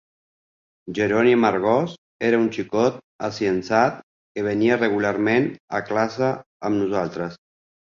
"Jeroni Amargós era un xicot aciençat que venia regularment a classe amb nosaltres.